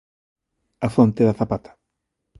A fonte da Zapata.